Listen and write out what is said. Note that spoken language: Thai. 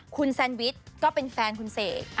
คุณแซนวิชก็เป็นแฟนคุณเสก